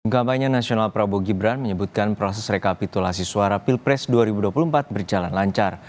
kampanye nasional prabowo gibran menyebutkan proses rekapitulasi suara pilpres dua ribu dua puluh empat berjalan lancar